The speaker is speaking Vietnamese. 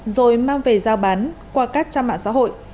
rồi mang về giao bán qua các trang mạng xã hội